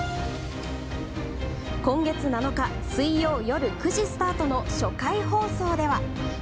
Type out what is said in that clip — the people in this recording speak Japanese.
今月７日水曜夜９時スタートの初回放送では。